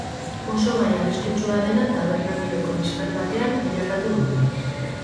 Oso gai arriskutsua dena taberna giroko liskar batean bilakatu dute.